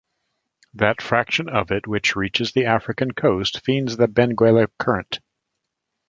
That fraction of it which reaches the African coast feeds the Benguela Current.